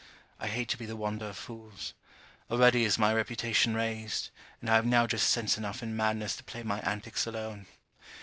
I hate to be the wonder of fools. Already is my reputation raised, and I have now just sense enough in madness to play my antics alone.